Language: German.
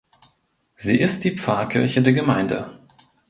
Sie ist die Pfarrkirche der Gemeinde.